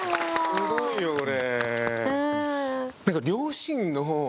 すごいよこれ。